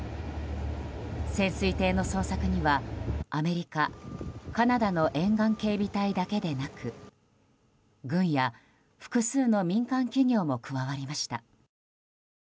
潜水艇の捜索にはアメリカ、カナダの沿岸警備隊だけでなく軍や複数の民間企業も加わりました。